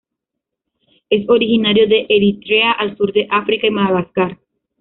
Es originario de Eritrea al sur de África y Madagascar.